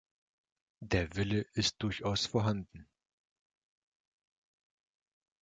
Der Wille ist durchaus vorhanden.